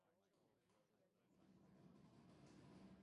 The terminators might be strings or unique single symbols.